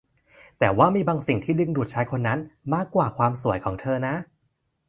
แต่ว่ามีบางสิ่งที่ที่ดึงดูดชายคนนั้นมากกว่าความสวยของเธอนะ